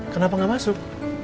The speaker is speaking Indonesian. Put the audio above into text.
kenapa gak masuk